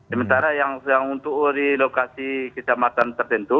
sementara yang untuk di lokasi kecamatan tertentu